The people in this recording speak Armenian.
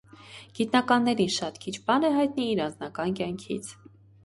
Գիտնականներին շատ քիչ բան է հայտնի իր անձնական կյանքից։